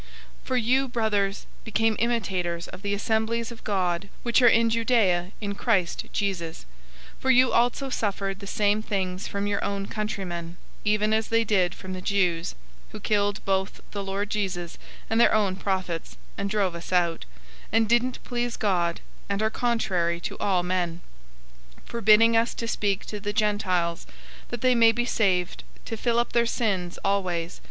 002:014 For you, brothers, became imitators of the assemblies of God which are in Judea in Christ Jesus; for you also suffered the same things from your own countrymen, even as they did from the Jews; 002:015 who killed both the Lord Jesus and their own prophets, and drove us out, and didn't please God, and are contrary to all men; 002:016 forbidding us to speak to the Gentiles that they may be saved; to fill up their sins always.